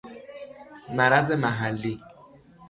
مرض محلی